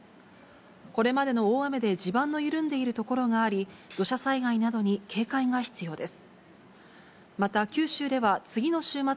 これまでの大雨で地盤の緩んでいる所があり、土砂災害などに警戒が必要です。